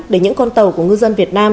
để những con tàu của ngư dân việt nam